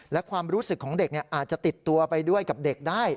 และความรู้สึกของเด็กอาจจะติดตัวไปด้วยกับเด็กได้